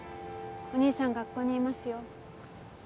お兄さんがここにいますよ